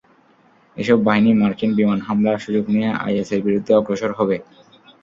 এসব বাহিনী মার্কিন বিমান হামলার সুযোগ নিয়ে আইএসের বিরুদ্ধে অগ্রসর হবে।